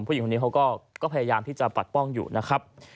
ผู้หญิงคนนี้เขาก็พยายามที่จะปัดป้องอยู่นะครับ